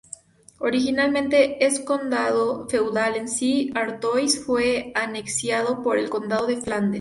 Originalmente un condado feudal en sí, Artois fue anexionado por el condado de Flandes.